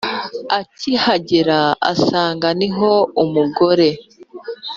akihagera asanga ni ho umugore